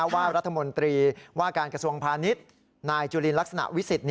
ว่ารัฐมนตรีว่าการกระทรวงพาณิชย์นายจุลินลักษณะวิสิทธิ